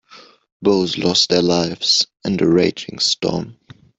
Both lost their lives in the raging storm.